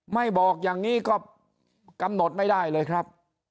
ไม่บอกอย่างนี้ก็กำหนดไม่ได้เลยครับ